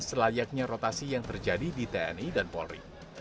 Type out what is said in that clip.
selayaknya rotasi yang terjadi di tni dan polri